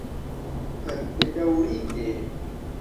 Kaj, bedaŭrinde...